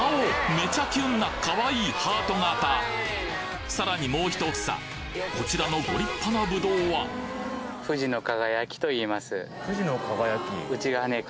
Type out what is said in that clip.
めちゃキュンな可愛いハート形さらにもう１房こちらのご立派なぶどうは富士の輝？